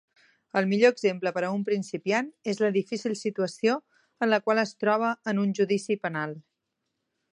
El millor exemple per a un principiant és la difícil situació en la qual es troba en un judici penal.